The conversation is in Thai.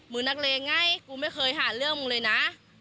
นักเลงไงกูไม่เคยหาเรื่องมึงเลยนะ